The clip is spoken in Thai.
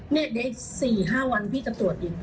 เนี่ยเดี๋ยวอีก๔๕วันพี่จะตรวจอีก